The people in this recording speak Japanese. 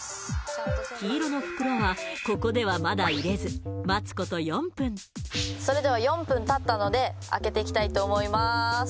黄色の袋はここではまだ入れずそれでは４分たったので開けていきたいと思います